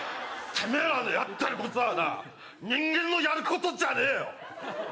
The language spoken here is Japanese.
てめえらのやってることはな、人間のやることじゃねぇよ。